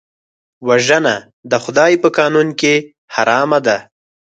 وژنه د خدای په قانون کې حرام ده